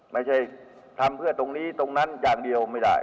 ไม่ใช่ทำเพื่อตรงนี้ตรงนั้นอย่างเดียวไม่ได้